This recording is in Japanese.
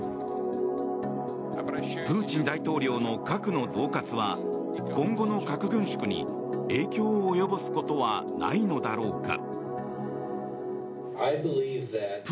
プーチン大統領の核の恫喝は今後の核軍縮に影響を及ぼすことはないのだろうか。